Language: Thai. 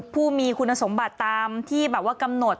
ผู้มีคุณสมบัติตามที่แบบว่ากำหนด